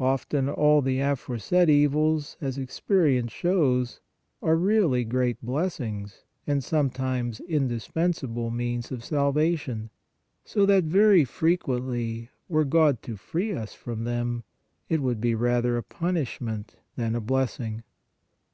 Often all the aforesaid evils, as experience shows, are really great blessings and sometimes indispen sable means of salvation, so that very frequently were God to free us from them, it would be rather a punishment than a blessing.